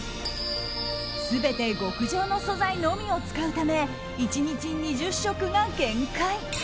全て極上の素材のみを使うため１日２０食が限界。